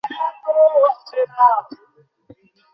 আমিও মনে করি অসুস্থ।